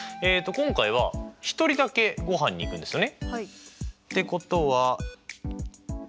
今回は１人だけごはんに行くんですよね。